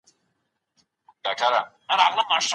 کشکي چي پرون تلای .